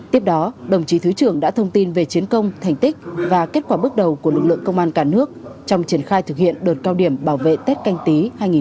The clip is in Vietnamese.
tiếp đó đồng chí thứ trưởng đã thông tin về chiến công thành tích và kết quả bước đầu của lực lượng công an cả nước trong triển khai thực hiện đợt cao điểm bảo vệ tết canh tí hai nghìn hai mươi